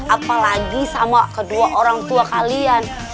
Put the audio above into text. apalagi sama kedua orang tua kalian